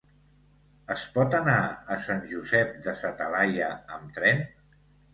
Es pot anar a Sant Josep de sa Talaia amb tren?